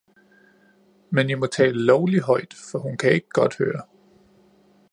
Men I må tale lovlig højt, for hun kan ikke godt høre.